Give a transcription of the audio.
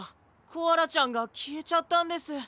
コアラちゃんがきえちゃったんです。